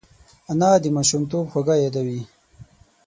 انا د ماشومتوب خواږه یادوي